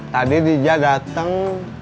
tadi dija dateng